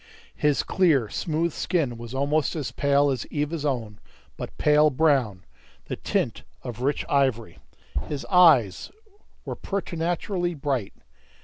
His clear, smooth skin was almost as pale as Eva's own, but pale brown, the tint of rich ivory. His eyes were preternaturally bright.